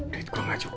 duit gue gak cukup